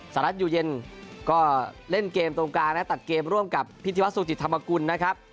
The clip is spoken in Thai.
รัฐอยู่เย็นก็เล่นเกมตรงกลางและตัดเกมร่วมกับพิธีวัฒสุจิตธรรมกุลนะครับ